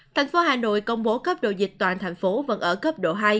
thành phố hà nội công bố cấp độ dịch toàn thành phố vẫn ở cấp độ hai